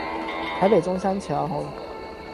台北中山橋